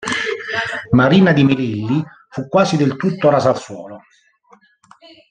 Marina di Melilli fu quasi del tutto rasa al suolo.